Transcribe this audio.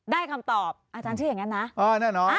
ได้คำตอบอาจารย์เชื่ออย่างนั้นนะอ้อแน่นอน